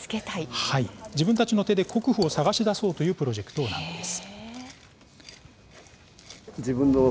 自分たちの手で国府を探し出そうというプロジェクトです。